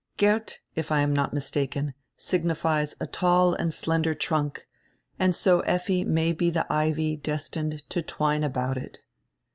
Geert, if I am not mistaken, signifies a tall and slender trunk, and so Effi may be die ivy destined to twine about it."